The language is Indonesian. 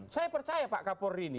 saya percaya pak kapolri ini